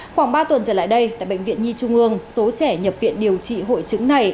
khoảng ba tuần trở lại đây tại bệnh viện nhi trung ương số trẻ nhập viện điều trị hội chứng này